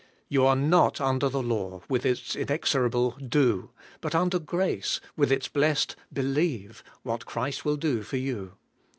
You are not under the law, with its inexorable Do, but under grace, with its blessed Believe what Christ will do for you.